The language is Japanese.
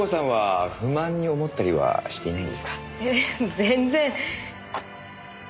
全然！